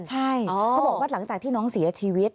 ใช่เขาบอกว่าหลังจากที่น้องเสียชีวิต